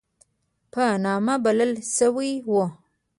په نامه بلل شوی وو.